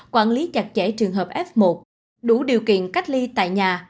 quản lý chặt chẽ trường hợp f một đủ điều kiện cách ly tại nhà